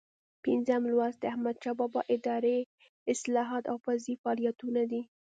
پنځم لوست د احمدشاه بابا اداري اصلاحات او پوځي فعالیتونه دي.